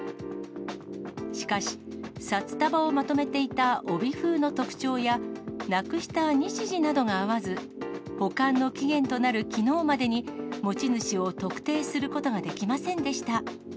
しかし、札束をまとめていた帯封の特徴や、なくした日時などが合わず、保管の期限となるきのうまでに持ち主を特定することができませんでした。